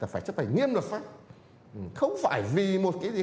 phải chấp hành nghiêm luật pháp không phải vì một cái gì